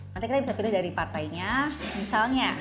nanti kita bisa pilih dari partainya misalnya